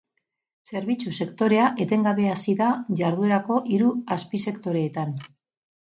Zerbitzu sektorea etengabe hazi da jarduerako hiru azpisektoreetan.